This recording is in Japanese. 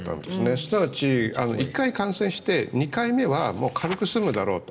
すなわち１回感染して２回目はもう軽く済むだろうと。